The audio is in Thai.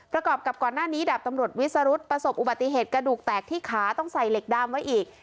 ประกอบกับก่อนหน้านี้ดาบตำรวจวิสรุธประสบอุบัติเหตุกระดูกแตกที่ขาต้องใส่เหล็กดามไว้อีก